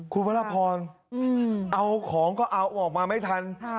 คุณพระราพรเอาของก็เอาออกมาไม่ทัน